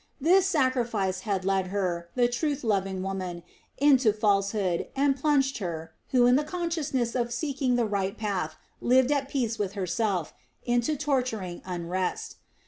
This sacrifice had led her, the truth loving woman, into falsehood and plunged her who, in the consciousness of seeking the right path lived at peace with herself, into torturing unrest.